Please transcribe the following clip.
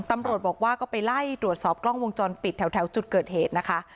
ตำรวจบอกว่าก็ไปไล่ตรวจสอบกล้องวงจรปิดแถวจุดเกิดเหตุนะคะ